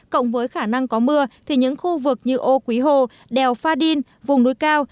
cộng với khả năng có mưa thì những khu vực như ô quý hồ đèo pha đin vùng núi cao